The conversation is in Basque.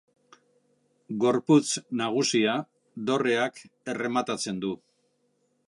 Gorputz nagusia dorreak errematatzen du.